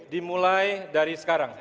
dimulai dari sekarang